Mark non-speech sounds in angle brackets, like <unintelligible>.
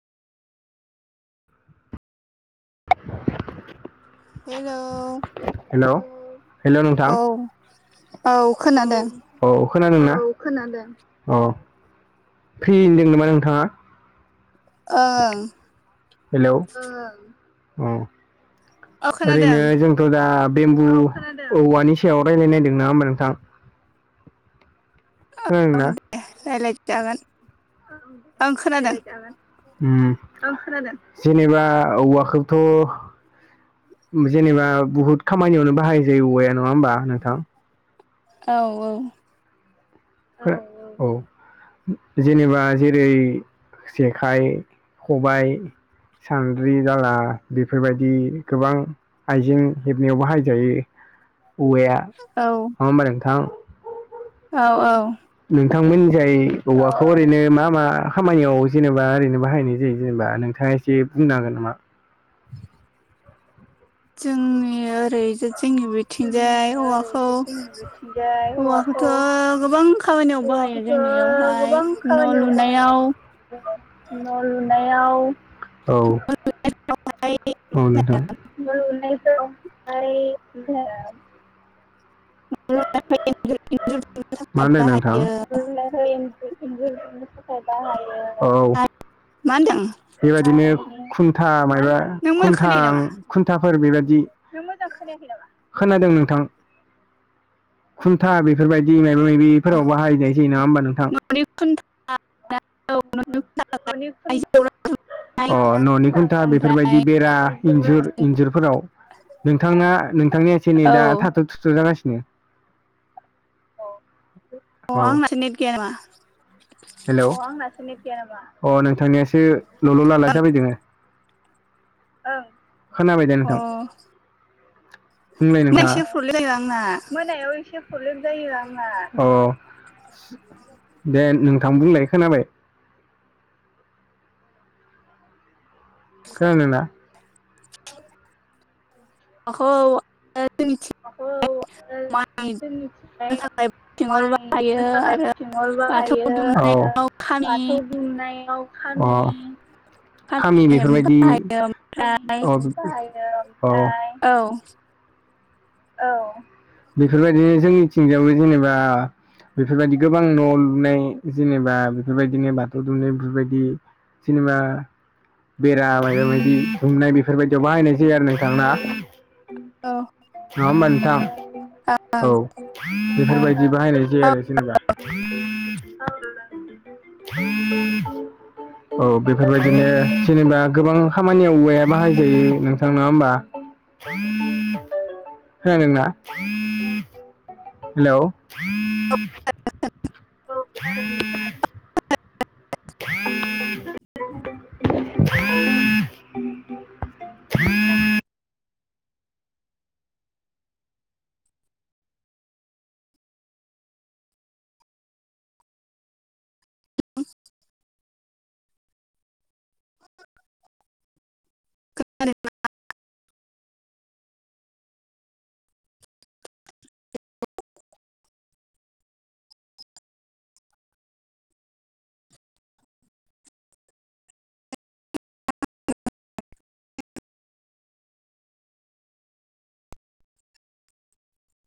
<unintelligible> Hello hello hello नोंथां औ औ औ खोनादोंना खोनादों औ फ्रि होनदों नामा नोंथाङा ओंं हेलौ औ औ खोनादों ओरैनो जों <unintelligible> बेम्बु औवानि सायाव रायज्लायनायदों नङा होमबा नोंथां <unintelligible> <unintelligible> ओं खोनादों जेनेबा औवाखौथ' जेनेबा बुहुद खामानियावनो बाहायजायो औवाया नङा होमबा नोंथां औ औ <unintelligible> औ जेनेबा जेरै जेखाइ खबाइ सानद्रि दाला बेफोरबायदि गोबां आइजें हेबनायावबो हायजायो औवाया औ नङा होमबा नोंथां औ औ नोंथांमोननि जाय औवाखौ ओरैनो मा मा खामानियाव जेनेबा ओरैनो बाहायनाय जायो जेनेबा नोंथाङा <unintelligible> बुंनो हागोन नामा जोंनि ओरै जोंनि बे थिंजाय औवाखौ औवाखौथ' गोबां खामानियाव बाहायो जोंनियावहाय न' लुनायाव न' लुनायाव औ <inaudible> <unintelligible> मा होनदों नोंथां बाहायो <unintelligible> <unintelligible> मा होनदों बेबायदिनो खुन्था माबा नों मोजां खुन्था खोनायो नामा? खुन्थाफोर बेबायदि नों मोजां खोनायाखै नामा खोनादों नोंथां खुन्था बेफोरबायदि माबा माबिफोराव बाहायनाय जायो नङा होमबा नोंथां न'नि खुन्था <unintelligible> अ न'नि खुन्था ओमफ्राय बेफोरबायदि बेरा इन्जुर इन्जुरफोराव नोंथांङा नोंथांनिया एसे औ नेदा थाथ' थुथ' जागासिनो <unintelligible> अ औ आंनासो नेट गैया नामा हेलौ अ नोंथांनियासो ल'ल' लाला जाबायदोङो खोनाबाय दे अ नोंथां बुंलाय नेट एसे नोंथाङा प्रब्लेम जायो आंना मोनायाव एसे प्रब्लेम जायो आंना दे नोंथां बुंनाय खोनाबाय खोनदों ना? औ खौ जों दुमनो मिथिखानाय थाखाय थिंगल माइ बाहायो मोसानाय आरो थगल बाथौ बाहायो दुमनायाव खामि बाथौ दुमनायाव खारि खामि हेबनो बेफोरबायदि बाहायो ओमफ्राय औ औ। औ औ बेफोरबायदिनो जोंनिथिंगायावबो जेनेबा बेफोरबायदि गोबां न' लुनाय जेनेबा बेफोरबायदिनो बाथौ दुमनाय बेफोरबायदि जेननिबा बेरा माबा बायदि सुंनाय बेफोरबायदियाव बाहायनाय जायो आरो नोंथां। औ माबा मोनथाम औ ओं बेफोरबायदि बाहायनाय जायो आरो। औ जेनेबा औ बेफोरबायदिनो जेनेबा गोबां खामानियाव औवाया बाहायजायो नोंथां नङा होमबा? <inaudible> खोनादोंना हेल'? <inaudible> <inaudible> उ <inaudible> <unintelligible>